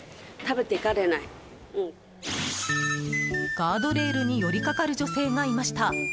ガードレールに寄りかかる女性がいました。